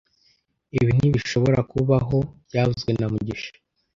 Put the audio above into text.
Ibi ntibishobora kubaho byavuzwe na mugisha